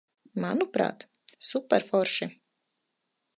Manuprāt, superforši.